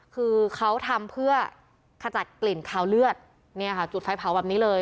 คือเขาทำเพื่อขจัดกลิ่นคาวเลือดเนี่ยค่ะจุดไฟเผาแบบนี้เลย